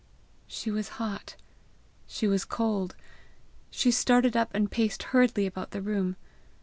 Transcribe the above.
She was hot, she was cold; she started up and paced hurriedly about the room.